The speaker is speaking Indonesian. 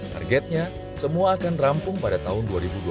targetnya semua akan rampung pada tahun dua ribu dua puluh